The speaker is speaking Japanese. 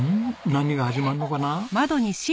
何が始まるのかな？